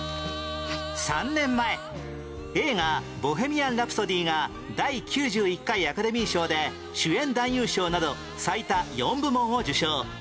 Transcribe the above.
３年前映画『ボヘミアン・ラプソディ』が第９１回アカデミー賞で主演男優賞など最多４部門を受賞